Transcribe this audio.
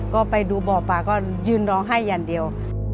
ก็ไปดูบ่อปลาก็ยืนร้องไห้อย่างเดียว